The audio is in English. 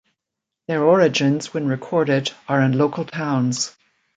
Their origins, when recorded, are in local towns.